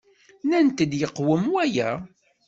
Nnant-d yeqwem waya.